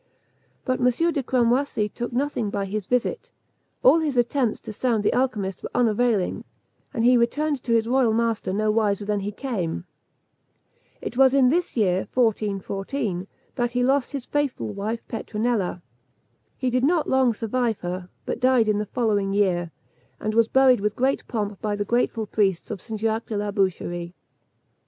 But M. de Cramoisi took nothing by his visit; all his attempts to sound the alchymist were unavailing, and he returned to his royal master no wiser than he came. It was in this year, 1414, that he lost his faithful Petronella. He did not long survive her, but died in the following year, and was buried with great pomp by the grateful priests of St. Jacques de la Boucherie.